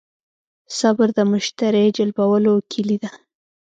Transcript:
صبر د مشتری جلبولو کیلي ده.